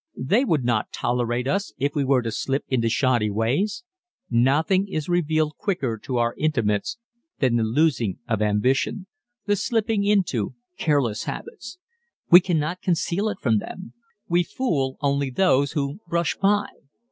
They would not tolerate us if we were to slip into shoddy ways. Nothing is revealed quicker to our intimates than the losing of ambition ... the slipping into careless habits. We cannot conceal it from them. We fool only those who brush by.